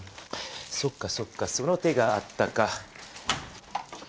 そっかそっかその手があったか。